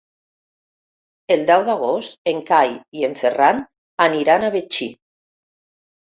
El deu d'agost en Cai i en Ferran aniran a Betxí.